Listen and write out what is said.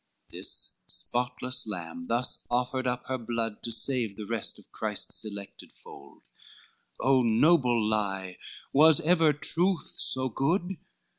XXII This spotless lamb thus offered up her blood, To save the rest of Christ's selected fold, O noble lie! was ever truth so good?